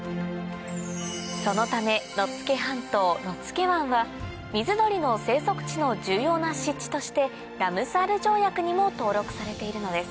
そのため野付半島野付湾は水鳥の生息地の重要な湿地としてラムサール条約にも登録されているのです